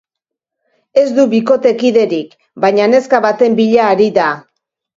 Ez du bikotekiderik, baina neska baten bila ari da.